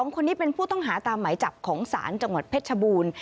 ๒คนนี้เป็นผู้ต้องหาตามหมายจับของศาลจังหวัดเพชรชบูรณ์